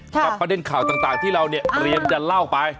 กับประเด็นข่าวต่างที่เราเรียนจะเล่าไป